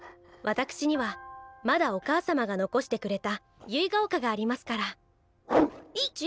わたくしにはまだお母様が残してくれた結ヶ丘がありますから。